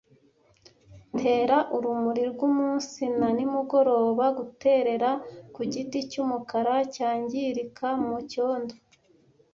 Tera, urumuri rw'umunsi na nimugoroba - guterera ku giti cy'umukara cyangirika mu cyondo,